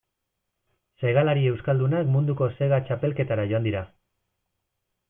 Segalari euskaldunak munduko sega txapelketara joan dira.